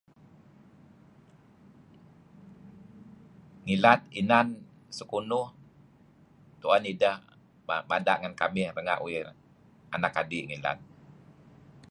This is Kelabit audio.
Ngilad inan sekunuh tu'en ideh mada' ngen kamih renga' uih anak adi' ngilad.